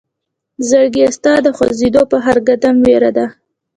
زړګيه ستا د خوئيدو په هر قدم وئيره ده